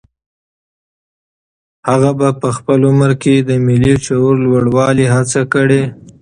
هغه په خپل عمر کې د ملي شعور لوړولو هڅې کړي.